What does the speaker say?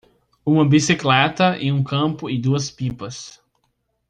Uma bicicleta em um campo e duas pipas